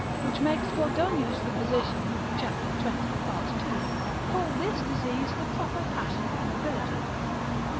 which makes Gordonius the physician cap. 20. part. 2. call this disease the proper passion of nobility.